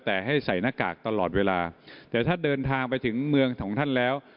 แต่ให้ใส่หน้ากากตลอดเวลาแต่ถ้าเดินทางไปถึงเมืองของท่านแล้ว